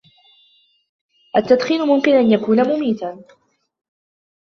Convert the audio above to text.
التدخين ممكن أن يكون مميتاً.